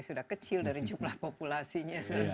sudah kecil dari jumlah populasinya